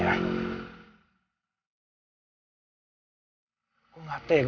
gue gak tega lu ngebaring michi tidur di mobil